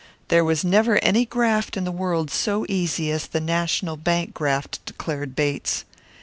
There was never any graft in the world so easy as the national bank graft, declared Bates.